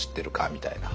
みたいな。